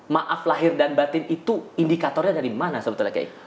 maaf lahir dan batin itu indikatornya dari mana sebetulnya